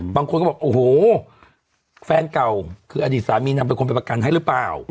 บางคนก็บอกโอ้โหแฟนเก่าคืออดีตสามีนำเป็นคนไปประกันให้หรือเปล่า